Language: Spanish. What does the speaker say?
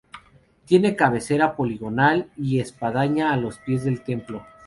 Tiene cabecera poligonal y espadaña a los pies del templo.